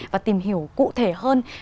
và tìm hiểu cụ thể hơn